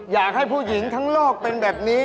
อยากให้ผู้หญิงทั้งโลกเป็นแบบนี้